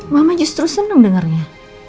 mama justru seneng dengernya